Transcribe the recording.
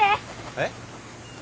えっ？